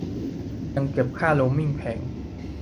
ยังเก็บค่าโรมมิ่งแพง